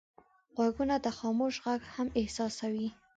غوږونه د خاموش غږ هم احساسوي